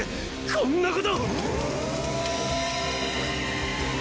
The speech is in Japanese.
こんなこと！